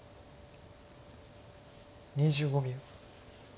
２５秒。